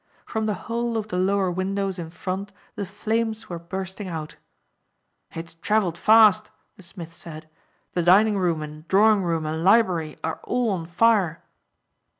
From the whole of the lower windows in front the flames were bursting out. "It's travelled fast," the smith said. "The dining room and drawing room and library are all on fire."